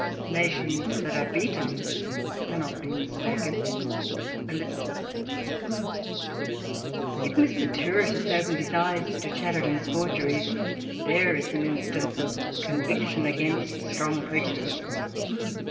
Nations that are beaten cannot be mistaken. ... If Mr. Tyrwhitt has opened his eyes to Chat terton's forgeries, there is an instance of con viction against strong prejudice